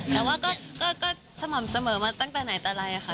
แต่ว่าก็สม่ำเสมอมาตั้งแต่ไหนแต่ไรค่ะ